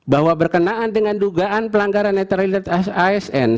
bahwa berkenaan dengan dugaan pelanggaran netralitas asn